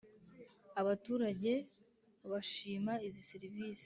Abaturage bashima izi serivisi